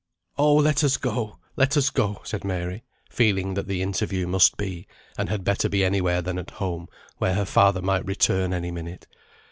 "Oh, let us go, let us go," said Mary, feeling that the interview must be, and had better be anywhere than at home, where her father might return at any minute.